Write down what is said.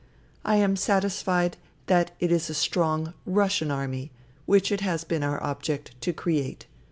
I am satisfied that it is a strong Russian Army, which it has been our object to create.